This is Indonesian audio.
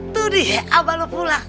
tuh dia abah lo pulang